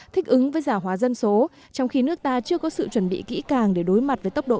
thích ứng với giả hóa dân số trong khi nước ta chưa có sự chuẩn bị kỹ càng để đối mặt với tốc độ